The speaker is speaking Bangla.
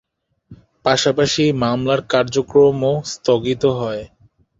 পাশাপাশি মামলার কার্যক্রমও স্থগিত হয়।